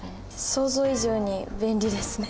想像以上に便利ですね。